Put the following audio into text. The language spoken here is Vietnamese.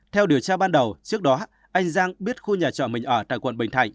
theo điều tra ban đầu trước đó anh giang biết khu nhà trọ mình ở tại quận bình thạnh